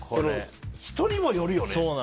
人にもよるよね。